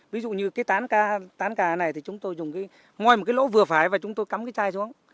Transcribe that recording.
ví dụ như cái tán cà này thì chúng tôi dùng ngôi một cái lỗ vừa phải và chúng tôi cắm cái chai xuống